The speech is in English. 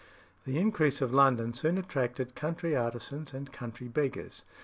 The increase of London soon attracted country artisans and country beggars.